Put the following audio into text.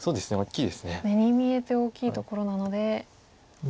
目に見えて大きいところなので。